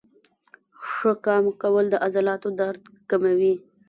ښه قام کول د عضلاتو درد کموي.